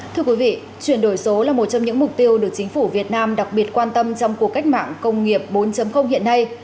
thưa quý vị chuyển đổi số là một trong những mục tiêu được chính phủ việt nam đặc biệt quan tâm trong cuộc cách mạng công nghiệp bốn hiện nay